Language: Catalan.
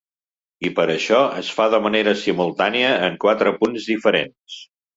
I per això es fa de manera simultània en quatre punts diferents.